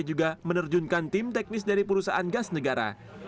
juga menerjunkan tim teknis dari perusahaan gas negara